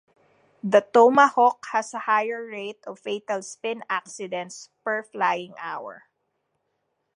The Tomahawk has a higher rate of fatal spin accidents per flying hour.